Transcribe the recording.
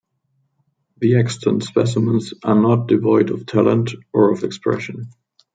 The extant specimens are not devoid of talent or of expression.